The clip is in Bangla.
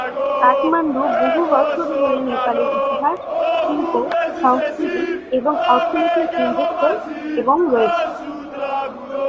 কাঠমান্ডু বহু বছর ধরে নেপালের ইতিহাস, শিল্প, সংস্কৃতি এবং অর্থনীতির কেন্দ্রস্থল এবং রয়েছে।